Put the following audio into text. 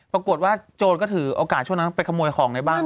ปรากฏว่าโจรก็ถือโอกาสช่วงนั้นไปขโมยของในบ้าน